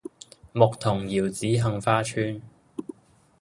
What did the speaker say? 牧童遙指杏花村